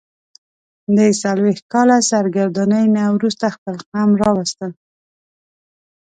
د څلوېښت کاله سرګرانۍ نه وروسته خپل قوم راوستل.